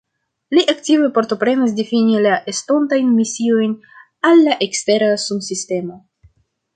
Li aktive partoprenas difini la estontajn misiojn al la ekstera sunsistemo.